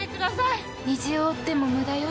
虹を追っても無駄よ。